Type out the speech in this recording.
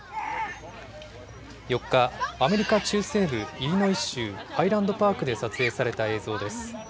４日、アメリカ中西部イリノイ州ハイランドパークで撮影された映像です。